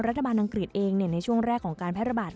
อังกฤษเองในช่วงแรกของการแพร่ระบาด